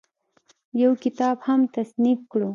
يو کتاب هم تصنيف کړو